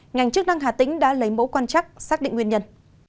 ngành chức năng hà tĩnh đã lấy mẫu quan chắc xác định nguyên nhân